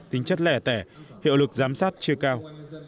tính chất lẻ tẻ hiệu lực giám sát chưa cao